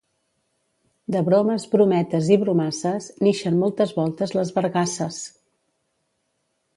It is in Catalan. De bromes, brometes i bromasses n'ixen moltes voltes les vergasses.